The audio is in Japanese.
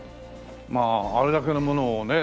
まああれだけのものをね